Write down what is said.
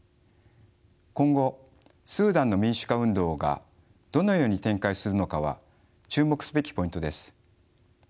今後スーダンの民主化運動がどのように展開するのかは注目すべきポイントです。